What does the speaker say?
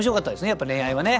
やっぱ恋愛はね。